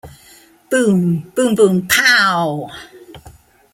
Boom boom-boom pow!